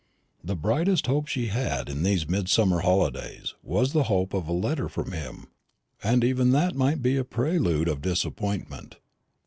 The brightest hope she had in these midsummer holidays was the hope of a letter from him; and even that might be the prelude of disappointment.